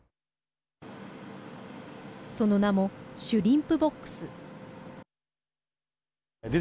その名もシュリンプボックス。